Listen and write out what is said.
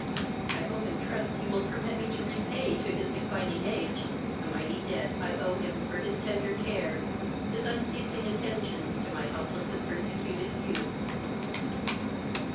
I hope and trust he will permit me to repay to his declining age the mighty debt I owe him for his tender care, his unceasing attentions to my helpless and persecuted youth."